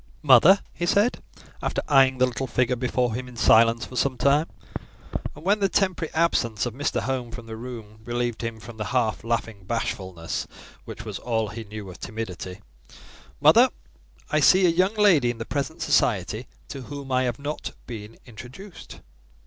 "Mother," he said, after eyeing the little figure before him in silence for some time, and when the temporary absence of Mr. Home from the room relieved him from the half laughing bashfulness, which was all he knew of timidity— "Mother, I see a young lady in the present society to whom I have not been introduced."